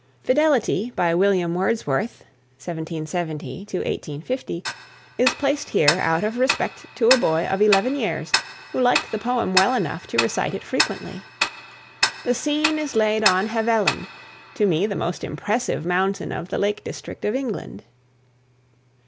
"Fidelity," by William Wordsworth (1770 1850), is placed here out of respect to a boy of eleven years who liked the poem well enough to recite it frequently. The scene is laid on Helvellyn, to me the most impressive mountain of the Lake District of England.